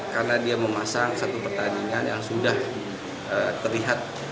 karena dia memasang satu pertandingan yang sudah terlihat